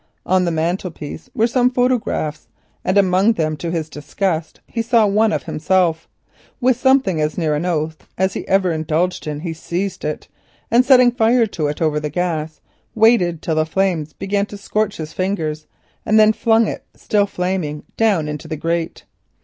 On the mantelpiece were some photographs, and among them, to his disgust, he saw one of himself taken many years ago. With something as near an oath as he ever indulged in, he seized it, and setting fire to it over the gas, waited till the flames began to scorch his fingers, and then flung it, still burning, into the grate.